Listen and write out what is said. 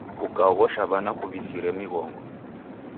Kukaoghosha w'ana kuw'izire mighongo.